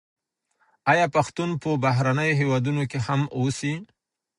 آیا پښتون په بهرنیو هېوادونو کي هم اوسي؟